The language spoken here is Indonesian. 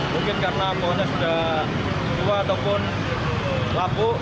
mungkin karena pohonnya sudah tua ataupun lapuk